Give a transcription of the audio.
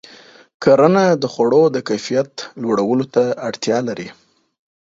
کرنه د خوړو د کیفیت لوړولو ته اړتیا لري.